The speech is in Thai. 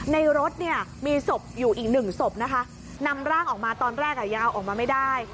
รถเนี่ยมีศพอยู่อีกหนึ่งศพนะคะนำร่างออกมาตอนแรกอ่ะยาวออกมาไม่ได้